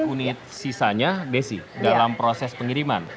satu unit sisanya desi dalam proses pengiriman